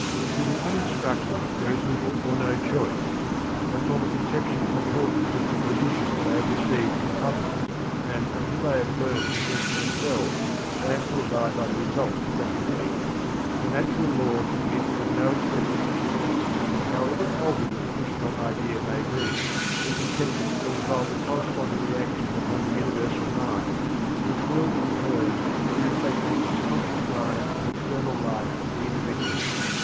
To the uninstructed there is little or no choice: they form a conception in accordance with the tradition they have received from others, and until they have learnt to think for themselves, they have to abide by the results of that tradition: for natural laws admit of no exceptions, and however faulty the traditional idea may be, its acceptance will involve a corresponding reaction upon the Universal Mind, which will in turn be reflected into the conscious mind and external life of the individual.